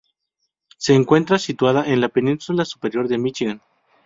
Se encuentra situada en la península superior de Míchigan.